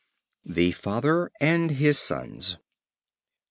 The Father and his Sons.